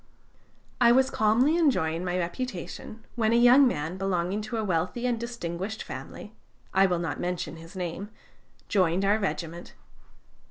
"I was calmly enjoying my reputation, when a young man belonging to a wealthy and distinguished family I will not mention his name joined our regiment.